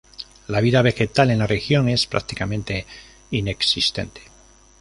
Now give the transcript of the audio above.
La vida vegetal en la región es prácticamente inexistente.